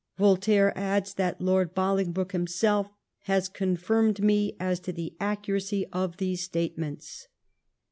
Voltaire adds that 'Lord Bolingbroke himself has confirmed me as to the accuracy of these statements.'